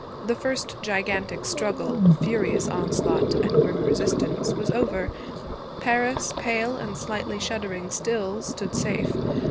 The first gigantic struggle furious onslaught and grim resistance was over. Paris, pale, and slightly shuddering still, stood safe.